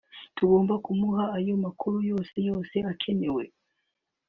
tugomba kumuha ayo makuru yose yose akenewe